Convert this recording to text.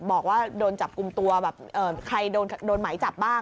บอกว่าโดนจับกลุ่มตัวแบบใครโดนไหมจับบ้าง